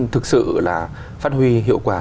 thực sự là phát huy hiệu quả